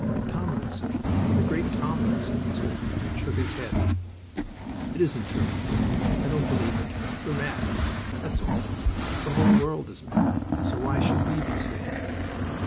Tomlinson, the great Tomlinson, was with me, and shook his head. "It isn't true," he said. "I don't believe it... We're mad, that's all!... The whole world is mad, so why should we be sane?"